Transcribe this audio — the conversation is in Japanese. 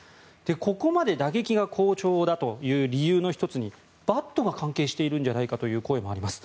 ここまで打撃が好調だという理由の１つにバットが関係しているんじゃないかという声もあります。